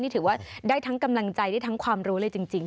ถือว่าได้ทั้งกำลังใจได้ทั้งความรู้เลยจริง